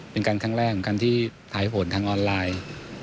เป็นการครั้งแรกของการที่ถ่ายผลทางออนไลน์